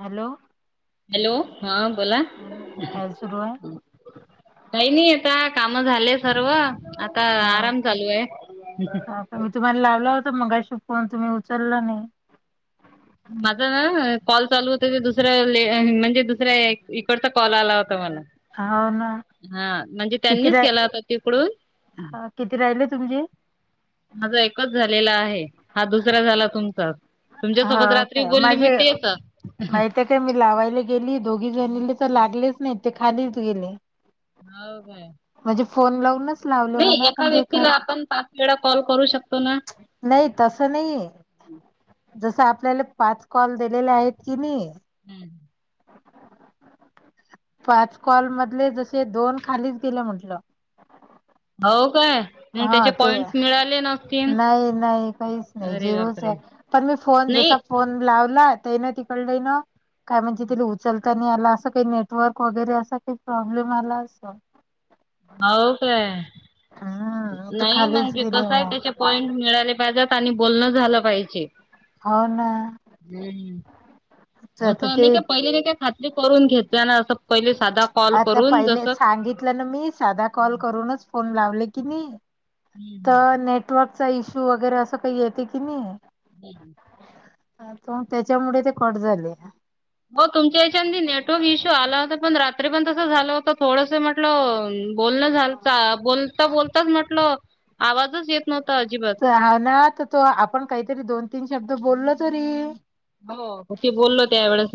Hello! Hello हा बोला हा, काय सुरू आहे काही नाही आता काम झाले सर्व आता हा आराम चालू आहे. मगा श फन तुम्ही उचलला नाही! माझा ना कॉल चालू होता दुसर्या म्हणजे दुसऱ्या इकडचा कॉल आला होता मला. हव ना! हा म्हणजे, त्यांनीच केला होता तिकडून हा किती राहिल तुमचे, माझा एकच झालेला आहे, हा दुसरा झाला तुमचा तुमच्यासोबत हा रात्री का बोलली मी माझे तेच, माहित काय मी लावायला गेली दोघी जणीले तर लागलेच नाही ते खालीच गेले, हो काय. म्हणजे फोन लावूनच, लावले नाही म्हणा एका पण ते व्यक्तीला खाली. आपण पाच वेळा कॉल करू शकतो ना? नाही तसं नाहीय, हम्! जसं आपल्याला पाच कॉल दिलेले आहेत कि नाही, हम्म! पाच कॉल मधले जसे दोन खालीच गेले म्हटलं, हो! काय मग हा त्याचे ते पॉइंट मिळाले नसतील नाही नाही काहीच नाही अरे जिरूच बापरे आहे पण मी फोन जसा नाही फोन लावला [unintelligible] तड का म्हणजे त उचल नी याला असं काही नेटवर्क वगैरे असा काही प्रॉब्लेम आला अस, होऊ काय, हम्म तू नाही खालीच म्हणजे कस गेले आहे मग त्याचे पॉइंट मिळाले पाहिज आणि बोलणं झालं पाहिजे, हो ना! हम्म. आता असं ते नाही का पहिले ज काय खात्री करून घेतल्या ना असं, पहिले साधा कॉल आता करून पहिले जसं सांगितलं ना मी साधा कॉल करूनच, फो लावले की नाही हम्म तर नेटवर्क, चा इश्यू वगैरे असं काही येते की नाही, हम् ह त्याच्यामुळे ते कट झाले. हो तुमच्या हच्या नेटवर्क इश्यू आला होता पण रात्री पण तस झालं होत. थोडस म्हटलं बोलणं झालता. बोलता बोल म्हटलं आवाजच येत न्ह ह ना तर तो आपण काहीतरी दोन तीन शब्द बोललो तरी, हो ते बोललो त्यावेेळेस,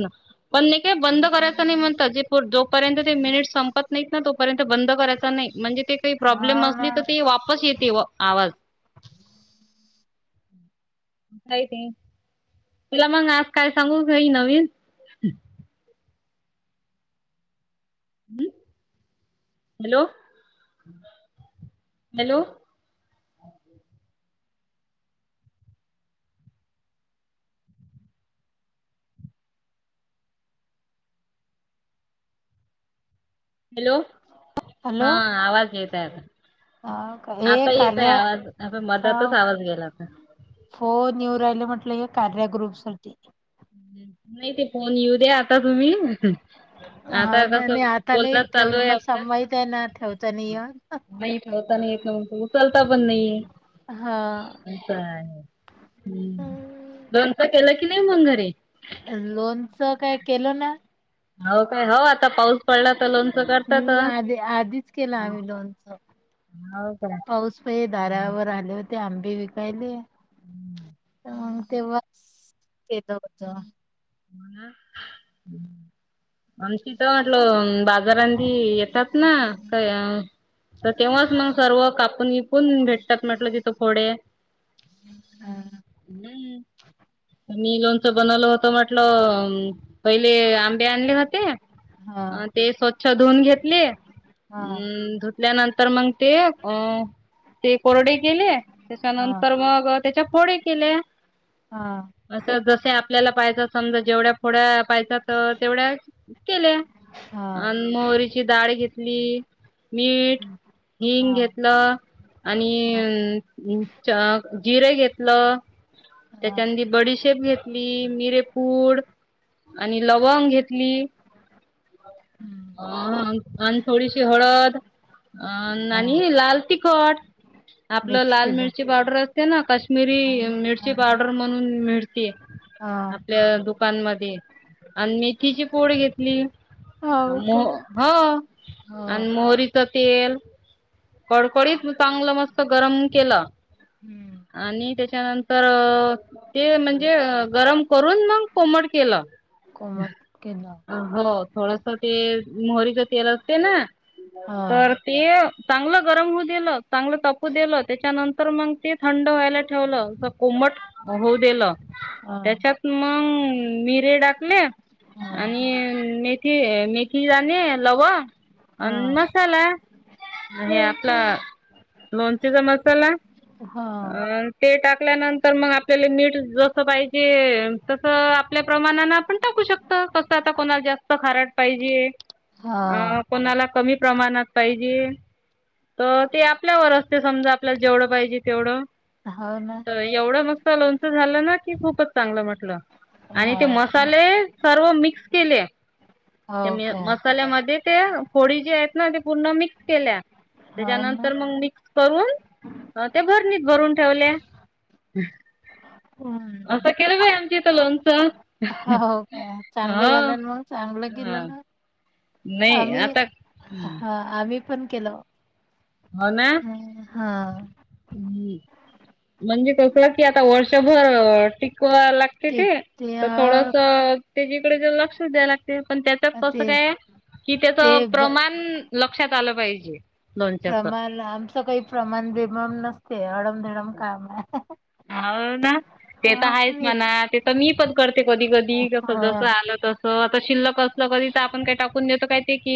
पण काय बंद करायच नाही म्हणत जोपर्यंत ते मिनिट्स संपत नाहीत ना तोपर्यंत बंद करायच नाही. म्हणजे ते काही प्रोब्लेम हा असली ना तर वापस. आवाज काय ते. तुला मग आज काय सांगू काही नवीन ह हॅलो हॅलो, अओके [inaudible] हॅलो, हा हॅलो आवाज येता आता. हा का हे आता येतय कार्या आवाज आपण हा मदातच आवाज गेला आता फोन येऊ राहिला म्हटलं हे कार्या ग्रुप साठी नाही ते फोन येऊ द्या आता तुम्ही आता हा कस ना नाही आता बोलण नाही चालू ठेवलं आहे मग स आपल्या माहित आहे ना ठेवता नाही येत येत ना उचलता पण नाही. हा हम् लोनच केल की नाही मंग घर लोनच काय केलं ना? हो काय हो आ ह आधी आधीच केला आम्ही लोनच. हो काय पाऊस पे दारावर आले होते. आंबे विकायले, हा तेव्हाच केल होत. म [unintelligible] आमच इथ म्हटलं बाजारांमंधी येतात ना काय अ तेव्हाच मग सर्व कापून बीपून भेटतात म्हटलं तिथं फोडे हा ह मी लोणचं बनवलं होत. पहिले आंबे आणले होते आणि हा ते स्व च्छ धुवून घेतले हा अम धुतल्यानंतर मग ते अ ते कोरडे केले. हा त्याच्यानंतर मग त्याचे फोडे केले. हा असं जस आपल्याला पाहिजे. जेवढ्या फोड्या पाहिजे तेवढ्या केल्या हा अन मोहरीची डाळ घेतली मीठ, हिंग हा घेतलं हा आणि जिरे घेतलं. त्याच्यांदी बडीशेप घेतली मिरेपूड आणि लवंग घेतली. ह आणि थोडीशी हळद अं हा आणि लाल तिखट आपलं मिक्स लाल केलं मिरची पावडर असते ना हा काश्मीरी ना हा मिरची ना पावडर म्हणून मिळ हा. आपल्या दुकानमध्ये आणि मेथीची पूड घेतली हाव का? मोह हा आणि मोहरीच तेल, कडकडीत चांगलं मस्त गरम केलं. हम्म आणि त्याच्यानंतर ते म्हणजे गरम करून मग कोमट केलं. कोमट केल. हो थोडस ते मोहरीच तेल असते. ना हा तर ते चांगलं गरम होऊ दिलं चांगलं तापू दिलं त्याच्यानंतर मग ते थंड व्हायला ठेवलं. कोमट होऊ दिलं हा त्याच्यात मग मिरे टाकले. हा आणि मेथी मेथी दाणे, लवंग, अन हा. मसाला हो. हे आपला लोणचेचा मसाला हो अ ते टाक ल्यानंतर मग आपल्याला मीठ जस पाहिजे तस आपल्या प्रमाणाने आपण टाकू शकतो. कसं आता कोणाला जास्त खारट पाहिजे. हो अ कोणाला कमी प्रमाणात पाहिजे तर ते आपल्यावर अस समजा आपला जेवढ पाहिजे तेवढं हो ना एवढं मस्त लोचं झालं ना खूपच चांगलं म्हटलं आणि हो ते का मसाले सर्व मिक्स केले हो काय मसाल्यामध्ये ते फोडी जे आहेत ना ते पूर्ण मिक्स केल्या हो ना त्याच्यानंतर मग मिक्स करून घर न भरून ठेवल्या हम्म असं केलं बाई आमच्या इथं लोनचं हाव का, चांगलं झालं ना मग.. चांगलं केलं हा ना नाही आम्ही आता हम्म. हा आम्ही पण केलं हो ना हम्म हा म्हणजे कसं संपलं की आता वर्षभर टिकवा लागते ते तर थोडसं त्याच्याकडे तर लक्षच द्याय लागते पण त्याच कसं ते काय कि त्याच ते ब प्रमाण लक्षात आलं पाहिजे लोणच्याच प्रमाण आमचं काही प्रमाण बिमान नसते अडमधडम काम ए हाव ना ते तर आहेच मी म्हणा ते तर मी पण करते कधी कधी कसं जस हा आलं तसं आता शिल्लक कधी तर आपण काय टाकून देतो काय ते की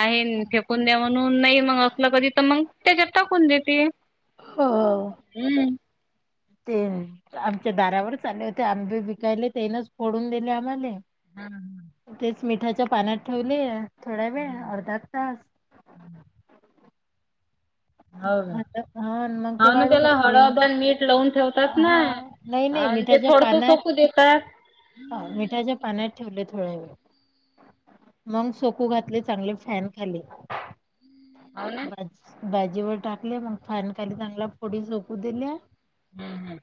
आहे फेकून द्या म्हणून नाही मग असलं कधी. मग त्याच्यात टाकून देते हो हम् ते आमच्या दारावरच आले होते आंबे विकायले तेनच फोडून दिले आम्हाले हम्म हम्म तेच मिठाच्या पाण्यात ठेवले थोड्या वेळ अर्धा तास हो का... हा मग ते हाव ना वाळू त्याला घातले हळद अन मीठ लावून ठेवतात ना हा नाही आणि ते थोडसं सोकु देतात ह मिठाच्या पाण्यात ठेवले मग सोकू घातले चांगले फॅन खाली हो ना भाजीवर [inaudible] हम्म हम्म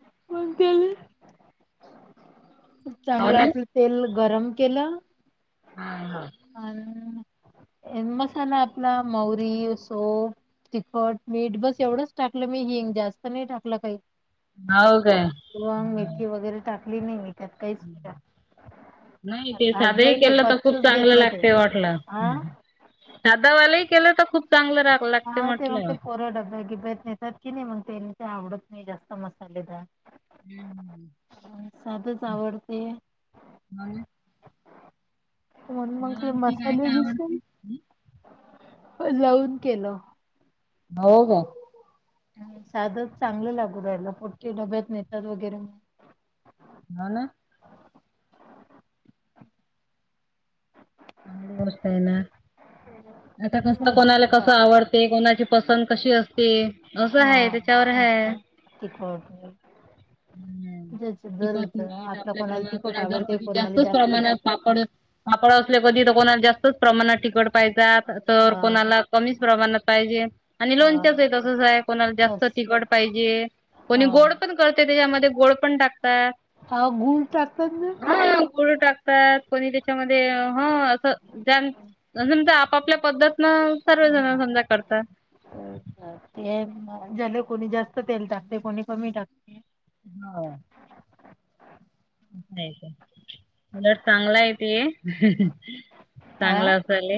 [unintelligible] खूप हो चांगलं ना आपलं तेल गरम केलं हा... [inaudible] मसाला आपला म्व्हारी, सोफ तिखट मीठ बस एवढंच टाकलं मी हिंग जास्त नाई टाकलं काही हो काय वा मेथी वगैरे टाकली नाही मी त्यात काहीच नाही टाकलं नाही ते साधं ही भाजलंही नाही केलं तर खूप कच्चच चांगलं घेतलं ते लागत वाटलं हा सदा वालाही केलं तर खूप चांगलं राग लागते हा ते मग म्हटलं हो ते पोरं डब्या बिब्यात नेतात की नाही मग ते ते आवडत नाही जास्त मसालेदार हम्म साधंच आवडते [inaudible] अन मग मला ते आणखी काय मसाले काय घेशील आवडते लावून केलं हो का साधं चांगलं लागू राहिलं पोट्टे डब्यात नेतात वगैरे हाव ना चांगली गोष्ट ए ना आता कसं कोणाला अजून काय कसं आवडते कोणाची पसंत कशी असते असं हा हाय त्याच्यावर हा हाय हा तिखट हम् हम जस तिखट जर मीठ आपल्या प्रमाणात... तिखट कोणाला जर आवडते कधी कोणाला जास्त प्रमाणात त- पापड... पापड अस. कधीतर कोणाला जास्तच प्रमाणात तिखट पाहिजात. तर हा कोणाला कमीच प्रमाणात पाहिजे आणि हा लोणच्याचं ही तसंच आहे कोणाला जास्त तस तिखट पाहिजे. जे... कोणी हा गोड पण करते त्याच्यामध्ये गोड पण टाकते. हा गुळ टाकतात ना. हा गुळ टाकतात कोणी त्याच्यामध्ये. ह असं ज समजा आपापल्या पद्धतन सर्वजण हा समजा करतात. तर ह तर ते झा्याले कोणी जास्त तेल टाकते कोणी कमी टाकते. हा. आहे उलट चांगला आहे ते. आ चांगलं असाल.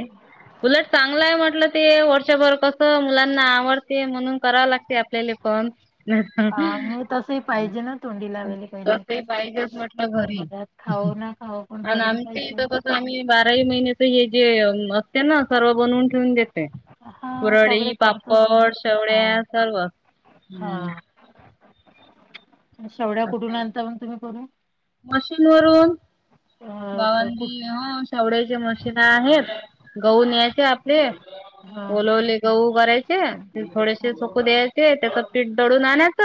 उलट चांगला आहे म्हटलं ते वर्षभर कस मुलांना आवडते म्हणून करावं लागते आपल्याला. पण हा मग तसही पाहिजे ना तोंडी लावायला काही ना ते काही पाहिजे. घरी घरात खाऊ ना खाऊ पण पडेल आमच्या इथ पाहिजे कस आम्ही बाराही महिन्या हे जे असते ना सर्व बनवून ठेवून देते. हा सगळे वरळी करतोच ना पापड शेवळ्या हा सर्व हम्. हा शेवड्या कुठून आणता मग तुम्ही करून मशीन वरून. अ बावांग क- कुठ हो शेवड्याची मशीिन आहेत गह न या्यायचे आपले हा ओल ओले गहू करायचे हा थोडेसे सुोकू द्यायचे ते त्याच पीठ दळून आणच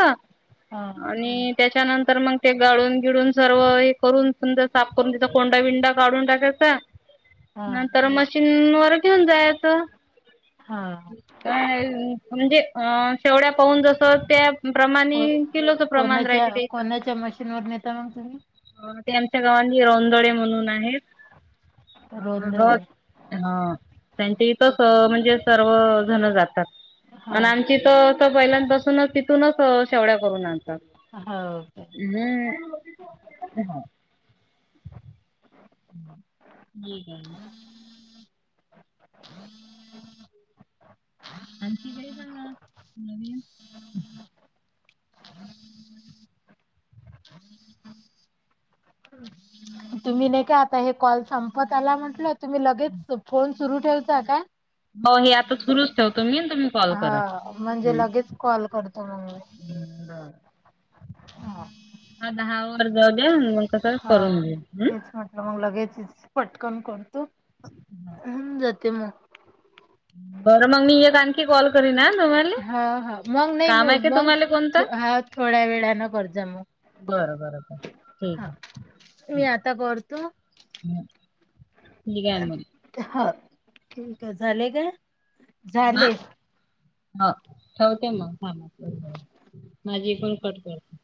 हा आणि नंतर मग ते गाळून गिळून सर्व हे करून सुंदर साफ करून तिचा कोंडा बिंडा काढून टाकायचा. हा नंतर मशीन वर घेऊन जायच. हा का म्हणजे अ शेवड्या पाहून जस त्या. प्रमाणे केलं तर प्रमाण कोणाच्या राहिच. ते कोणाच्या मशीनवर नेता मग तुम्ही? आमच्या गावांनी रोंदळे म्हणून आहेत. हो रोंदळे हा त्यांची इथच म्हणजे. सर्व जण जातात हा आणि आमची तर पहिल्यांद. च तिथूनच शेवड्या करून आणतात. हो काय ह हम् ह का आहे. आणखी काही सांगा नवीन. तुम्ही नाही का आता हे कॉल संपत आला म्हंटल तुम्ही लगेच फोन. सुरू ठेवता का. हो हे आता सुरूच ठेवतो मी. तुम्ही कॉल करा हा म्हणजे लगेच कॉल करत. हा अ दहा वर् जा. हा तेच म्हटलं मग लगेच. पटकन करतो जाते मग. बरं मग मी एक आणखी कॉल करी ना. हा हा मग नाही मग तुम्हाला कोणता? मग हा थोड्या वेळान करज मग बर बरोबर. हा मी आता करतो. अ हा. ठीक आहे झाले का झाले. ह ठेवते मग म माझी पण कट करते.